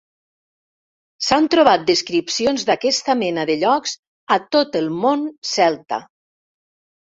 S'han trobat descripcions d'aquesta mena de llocs a tot el món celta.